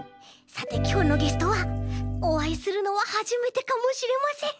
さてきょうのゲストはおあいするのははじめてかもしれません。